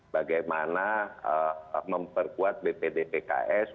bagaimana memperkuat bpd pks